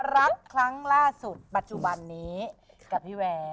รักครั้งล่าสุดปัจจุบันนี้กับพี่แวร์